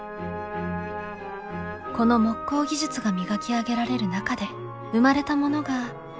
この木工技術が磨き上げられる中で生まれたものが。